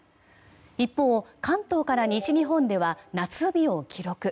一方、関東から西日本では夏日を記録。